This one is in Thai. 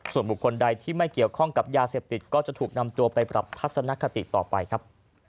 ส่วนบุคคลใดที่ไม่เกี่ยวข้องกับยาเสพติดก็จะถูกนำตัวไปปรับทัศนคติต่อไปครับ